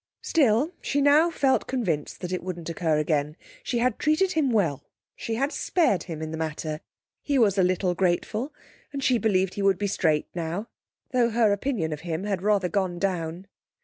Still, she now felt convinced that it wouldn't occur again. She had treated him well; she had spared him in the matter. He was a little grateful, and she believed he would be straight now, though her opinion of him had rather gone down.